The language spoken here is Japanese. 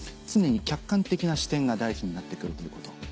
常に客観的な視点が大事になって来るということ。